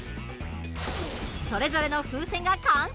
それぞれの風船が完成！